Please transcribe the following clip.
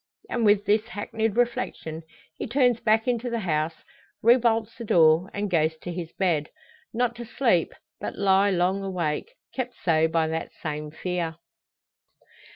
And with this hackneyed reflection he turns back into the house, rebolts the door, and goes to his bed; not to sleep, but lie long awake kept so by that same fear.